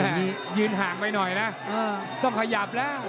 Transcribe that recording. คือยืนห่างไปหน่อยนะต้องขยับแล้ว